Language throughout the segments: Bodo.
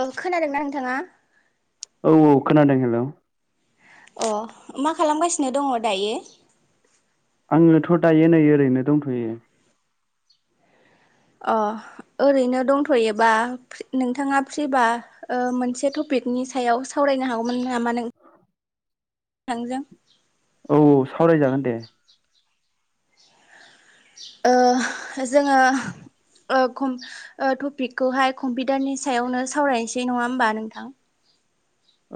औ खोनादोंना नोंथाङा? औ औ खोनादों हेल'। अ मा खालामगासिनो दङ दायो? आङोथ' दायो नै ओरैनो दंथ'यो। अ ओरैनो दंथ'योबा नोंथाङा फ्रिबा ओ मोनसे टपिक फिकनि सायाव सावरायनो हागौमोन नामा नों नोंथांजों? औ औ सावरायजागोन दे। ओ जोङो ओ कम ओ टपिकखौहाय कम्पिउटारनि सायावनो सावरायनोसै नङा होमबा नोंथां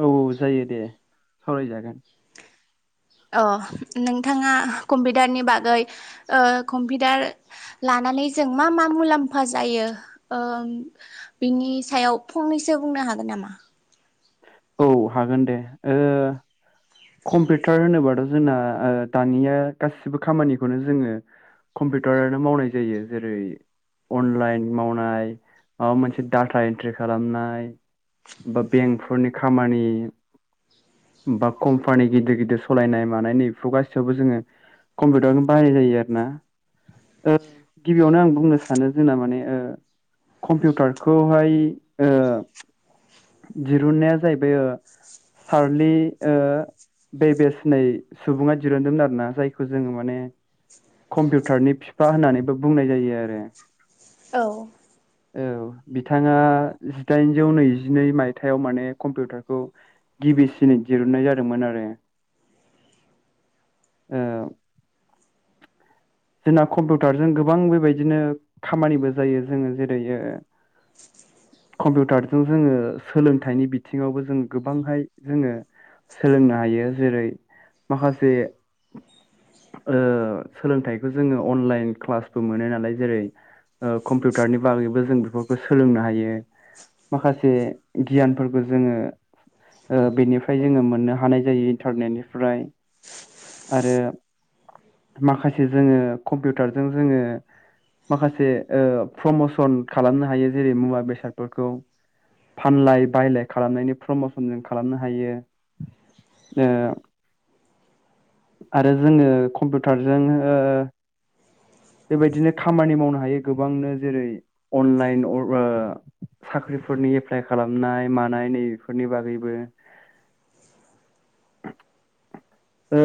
औ औ जायो दे सावरायजागोन अ नोंथाङा कम्पिउटारनि बागै ओ कम्पिउटार लानो लानानै जों मा मा मुलाम्फा जायो ओ बिनि सायाव फंनैसो बुंनो हागोनामा औ हागोन दे ओ कम्पिउटार होनोबाथ' जोंना ओ दानिया गासिबो खामानिखौनो जोङो कम्पिउटारानो मावनाय जायो जेरै अनलाइन मावनाय माबा मोनसे डाटा एन्ट्रि खालामनाय बा बेंकफोरनि खामानि बा कम्पानि गिदिर गिदिर सलायनाय मानायनि बेफोर गासैयावबो जोङो कम्पिउटारावनो बाहाय जायो आरो ना ओ गिबियावनो आं बुंनो सानो जोंना माने ओ कम्पिउटारखौहाय ओ दिरुनाया जाहैबाय सारलि ओ बेबेेस होननाय सुबुङा दिरुनदोंमोन आरोना जायखौ जोङो माने कम्पिउटारनि फिफा होननानैबो बुंनाय जायो आरो औ औ बिथाङा जिदाइनजौ नैजि जिनै मायथायाइाव माने कम्पिउटारखौ गिबिसिन दहुननाय जादोंमोन आरो [inaudible] ओ [inaudible] जोंना कम्पिउटारजों गोबां बेबायदिनो खामानिबो जायो जोङो जेरै ओ कम्पिउटारजों जोङो सोलोंथाइनि बिथिङावबो जों गोबांहाय जोङो सोलोंनो हायो जेरै माखासे ओ सोलोंथाइखौ जोङो अनलाइन क्लासबो मोनो नालाय जेरै ओ कम्पिउटारनि बागैबो जों बेफोरखौ सोलोंनो हायो माखासे गियानफोरखौ जोङो ओ बेनिफ्राय जोङो मोननो हानाय जायो इन्टारनेटनिफ्राय आरो माखासे जोङो कम्पिउटारजों जोङो माखासे ओ प्रमसन खालामनो हायो जेरै मुवा बेसादफोरखौ फानलाय बायलाय खालामनायनि प्रमसन जों खालामनो हायो ए आरो जोङो कम्पिउटारजों ओ [unintelligible] बेबायदिनो खामानि मावनो हायो गोबांनो जेरै अनलाइन अबा साख्रि फोरनि एप्लाइ खालामनाय मानाय नैबेफोरनि बागैबो [inaudible] ओ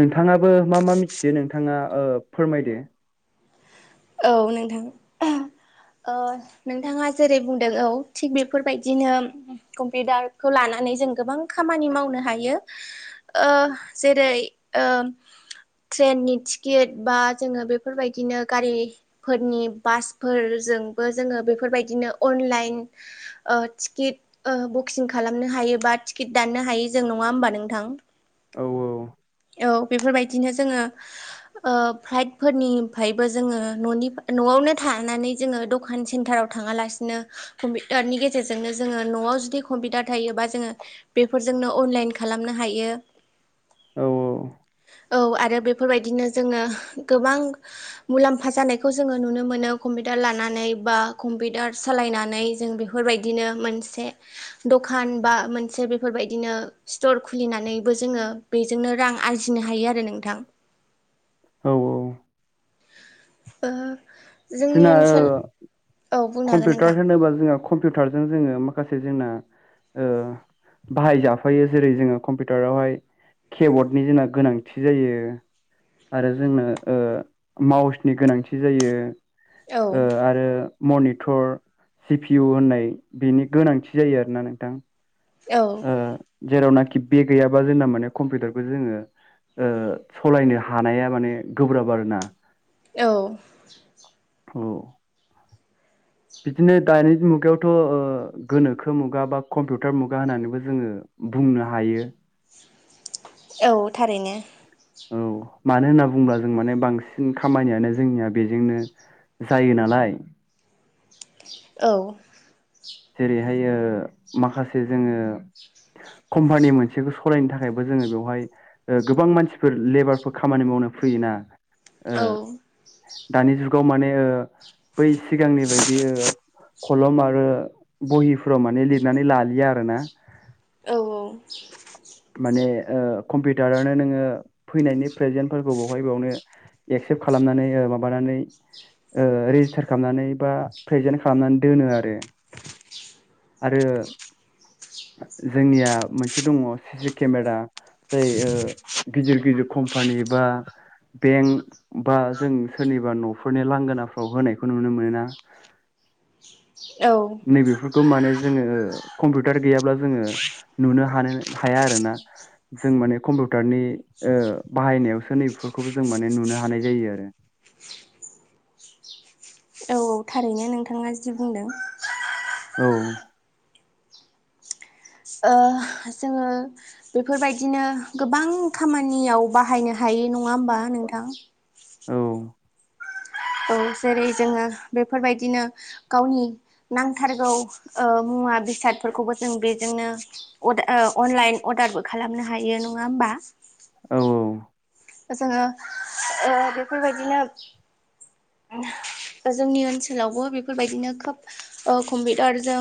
नोंथाङाबो मा मा मिथियो नोंथाङा ओ फोरमायदो औ नोंथां ओ नोंथाङा जेरै बुंदों औ थिग बेफोरबायदिनो कम्पिउटारखौ लानानै नानै जों गोबां खामानि मावनो हायो ओ जेरै ओ ट्रेननि टिकेट बा जोङो बेफोरबायदिनो गारि फोरनि बासफोरजोंबो जोङो बेफोरबायदिनो अनलाइन ओ तिकि टिकेट ओ बुकिं खालामनो हायो बा टिकेट दाननो हायो जों नङा होमबा नोंथां औ औ औ बेफोरबायदिनो जोङो ओ फाइटफोरनिफ्रायबो जोङो न'नि न'आवनो थानानै जोङो दखान सेन्टाराव थाङालासिनो कम्पिउटारनि गेजेरजोंनो जोङो न'आव नआव जुदि कम्पुटार थायोब्ला जोङो बेफोरजोंनो अनलाइन खालेमनो हायो। औ [unintelligible] औ आरो बेफोरबायदिनो जोङो गोबां मुलाम्फा जानायखौ जोङो नुनो मोनो कम्पिउटार लानानै बा कम्पिउटार सालायनानै जों बेफोरबायदिनो मोनसे द' खान बा मोनसे बेफोरबायदिनो स्तर खुलिननैबो जोङो बे जोंनो रां आरजिनो हायो आरो नोंथां औ औ ओ जोंनि जोंना ओनसोल ओ औ बुंनो हागोन नोंथां कम्पिउटार होनोबा जोंहा कम्पिउटारजों जोङो मा खासे जोंना ओ बाहाय जाफायो जेरै जोङो कम्पिउटारावहाय केबर्डनि जोंना गोनांथि जायो आरो जोंनो ओ माउसनि गोनांथि जायो। औ ओ आरो मनिथर सि पि इउ होननाय बिनि गोनांथि जायो आरोना नोंथां। औ ओ जेरावनाखि बे गैयाबा जोंना माने कम्पिउटारखौ जोङो ओ सलायनो हानाया माने गोब्राब आरोना औ औ बिदिनो दानि मुगायावथ' ओ गोनोखो मुगा बा कम्पिउटार मुगा होननानैबो जोङो बुंनो हायो औ थारैनो औ मानो होनना बुङोब्ला जों माने बांसिन खामानियानो जोंनिया बेजोंनो जायो नालाय औ जेरैहाय ओ माखासे जोङो कम्पानि मोनसेखौ सालायनो थाखायबो जोङो बेवहाय गोबां मानसिफोर लेबारफोर खामानि माव मावनो फैयोना ओ औ दानि जुगाव माने ओ बै सिगांनि बायदि ओ खलम आरो बहिफ्राव माने लिरनानै लालिया आरोना औ औ माने ओ कम्पिउटारानो नोङो फैनायनि प्रेजेन्टफोरखौ बावहाय बेयावनो एक्सेप्ट खालामनानै ओ माबानानै ओ रेजिस्टार खामनानै बा प्रेजेन्ट खालामनानै दोनो आरो आरो जोंनिया मोनसे दङ' सिसि केमेरा जाय ओ गिदिर गिदिर खम्पानि बा बेंक बा जों सोरनिबा न'फोरनि लांगोनाफ्राव होनायखौ नुनो मोनोना औ गो माने जोङो कम्पिउटार गैयाब्ला जोङो नुनो हानो हाया आरोना जों माने कम्पिउटारनि ओ बाहायनायावसो नै बेफोरखौबो जों माने नुनो हानाय जायो आरो। [unintelligible] औ थारैनो नोंथाङा जि बुंदों औ ओ जोङो बेफोरबायदिनो गोबां खामानियाव बाहायनो हाय [unintelligible] नङा होमबा नोंथां औ औ जेरै जोङो बेफोरबायदिनो गावनि नांथारगौ ओ मुवा बेसाद फोरखौबो जों बेजोंनो अद ओ अनलाइन अर्डारबो खालामनो हायो नङा होमबा औ औ जोङो ओ बेफोरबायदिनो जोंनि ओनसोलावबो बेफोरबायदिनो खोब ओ कम्पिउटारजों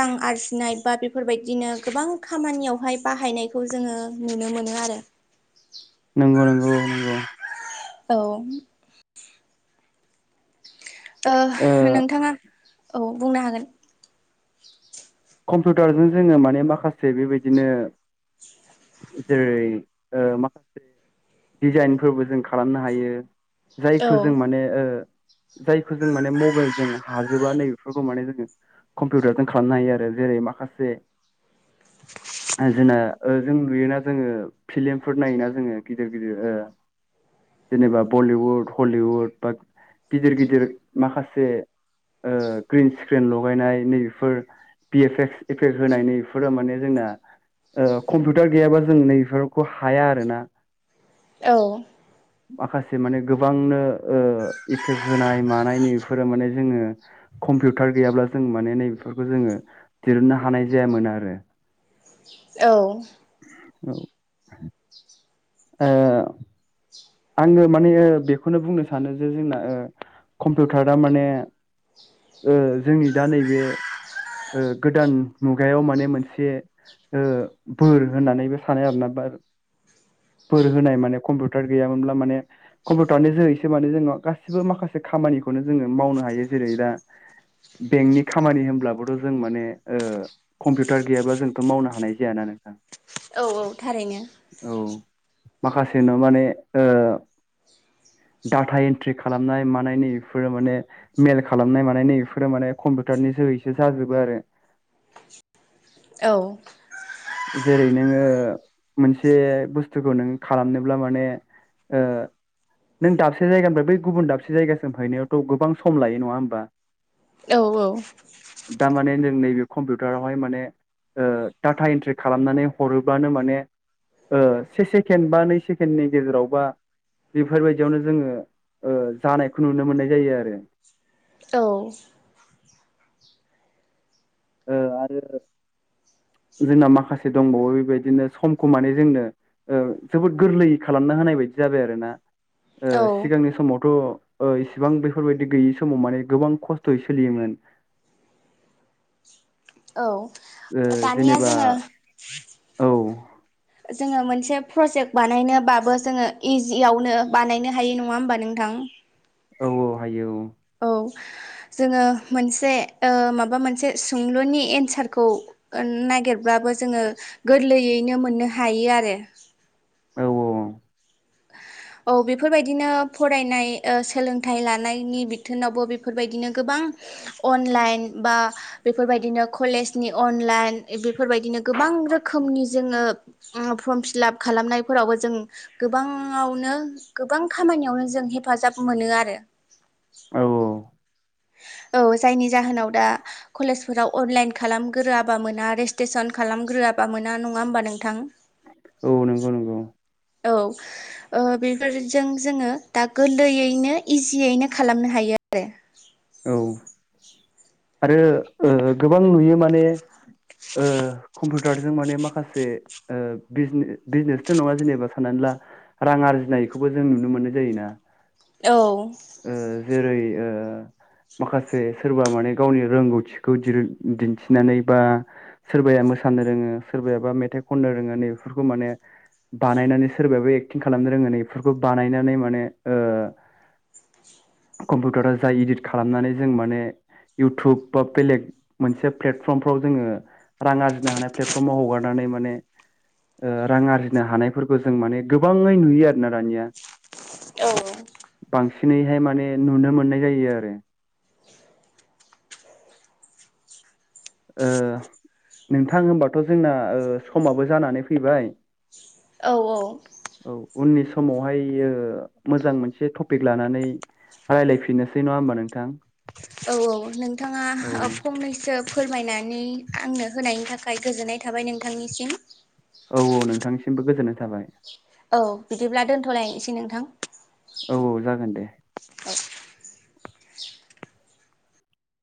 रां आरजिनाय बा बेफोरबायदिनो गोबां खामानियावहाय बाहायनायखौ जोङो नुनो मोनो आरो नंगौ नंगौ नंगौ औ ओ नोंथाङा औ बुंनो हागोन कम्पिउटारजों जोङो माने माखासे बेबायदिनो जेरै माखासे डिजाइनफोरबो जों खालामनो हायो औ जायखौ जों माने जायखौ जों माने मबाइलजों हाजोबा नै बेफोरखौ माने जोङो कम्पिउटारजों खालामनो हायो आरो जेरै माखासे [inaudible] जोंना जों नुयोना जोङो फिलिमफोर नायोना जोङो गिदिर गिदिर जेनेबा बलिउड हलिउड बा गिदिर गिदिर माखासे ग्रिन स्क्रिन लगायनाय नैबेफोर एफेक्स एफेक्स होनायनि बेफोरो माने जोंना कम्पिउटार गैयाबा जों नैबेफोरखौ हाया आरो ना औ माखासे माने गोबांनो इफेक्ट होनाय मानायनि बेफोरो माने जोङो कम्पिउटार गैयाब्ला जों माने नै बेफोरखौ जोङो दिरुननो हानाय जायामोन आरो [inaudible] औ औ ओ आङो माने बेखौनो बुंनो सानो जे जोंना कम्पिउटारा माने जोंनि दा नैबे गोदान मुगायाव माने मोनसे बोर होननानैबो सानो आरो ना फोर होनाय माने कम्पिउटार गैयामोनब्ला माने कम्पिउटारनि जोहै माने जोङो गासिबो माखासे खामानिखौनो जोङो मावनो हायो जेरै दा [inaudible] बेंकनि खामानि होनब्लाबोथ' जों माने कम्पिउटार गैयाब्ला जोंथ' मावनो हानाय जायाना नोंथां [inaudible] नंगौ थारैनो औ माखासे न' माने डाटा एन्ट्रि खालामनाय मानाय नै बेफोरो माने मेल खालामनाय कम्पिउटारनि जोहैसो जाजोबो आरो औ जेरै नोङो मोनसे बुस्थुखौ नों खालामनोब्ला माने [inaudible] नों दाबसे जायगानिफ्राय बै गुबुन दाबसे जायगासिम हैनायावथ' गोबां सम लायो नङा होमबा औ दामाने जों नैबे कम्पिउटारावहाय माने टाटा इन्ट्रे खालामनानै हरोब्लानो माने से सेकेण्ड बा नै सेकेण्डनि गेजेरावबा बेफोरबायदियावनो जोङो जानायखौ नुनो मोननाय जायो आरो औ ओ आरो जोंना माखासे दंबावो बेबायदिनो समखौ माने जोंनो ओ जोबोद गोरलै खालामना होनाय बायदि जाबाय आरो ना ओ औ सिगांनि समाव थ' ओ इसिबां बेफोरबायदि गैयि समाव माने गोबां खस्थ'यै सोलियोमोन [inaudible] औ ओ दानिया जेनेबा जोङो औ जोङो मोनसे प्रजेक्ट बानायनोबाबो जोङो इजियावनो बानायनो हायो नङा होमबा नोंथां। औ -औ हायो औ। औ जोङो मोनसे ओ माबा मोनसे सोंलुनि एन्सारखौ ओ नागिरब्ला बो जोङो गोरलैयैनो मोननो हायो आरो। औ [inaudible] औ बेफोरबायदिनो फरायनाय ओ सोलोंथाइ लानायनि बिथोनावबो बेफोरबायदिनो गोबां अनलाइन बा बेफोरबायदिनो कलेजनि अनलाइन ए बेफोरबायदिनो गोबां रोखोमनि जोङो उम फर्म फिलाप खालामनायफोरावबो जों गोबाङावनो गोबां खामानियावनो जों हेफाजाब मोनो आरो। औ औ जायनि जाहोनाव दा कलेजफोराव अनलाइन खालामग्रोआबा मोना रेस्ट्रेसन खालामग्रो गोराबा मोना नङा होमबा नोंथां? औ नोंगौ नोंगौ। औ ओ बेफोरजों जोङो दा गोरलैयैनो इजियैनो खालामनो हायो आरो। औ आरो ओ गोबां नुयो माने ओ कम्पुतारजों माने माखासे ओ बिजने बिजनेसथ' नङा जेनेबा साननानै ला रां आर जिनायखौबो जों नुनो मोननाय जायोना। औ ओ जेरै ओ [inaudible] माखासे सोरबा माने गावनि रोंगौथिखौ दिरुन दिन्थिनानै बा सोरबाया मोसानो रोङो सोरबाबा मेथाइ खनो रोङो नै बेफोरखौ माने बानायनानै सोरबाबो एक्टिं खालामनो रोङो। नै इफोरखो बानायनानै माने ओ कम्पिउटारा जाय इदिट खालामनानै जों माने इउटुब बा बेलेग मोनसे प्लेटफर्मफोराव जोङो रां आरजिनो हानाय प्लेटफर्माव हगारनानै माने ओ रां आरजिनो हानायफोरखौ जों माने गोबाङै नुयो आरो ना दानिया। औ बांसिनैहाय माने नुनो मोननाय जायो आरो। ओ नोंथां होमबाथ' जोंना ओ समाबो जानानै फैबाय। औ औ औ उननि समावहाय ओ मोजां मोनसे टपिक लानानै रायलायफिननोसै नङा होमबा नोंथां। औ नोंथाङा औ ओ फंनैसो फोरमायनानै आंनो होनायनि थाखाय गोजोननाय थाबाय नोंथांनिसिम। औ औ नोंथांनिसिमबो गोजोननाय थाबाय। औ बिदिब्ला दोन्थ'लायनोसेै नोंथां। औ औ जागोन दे।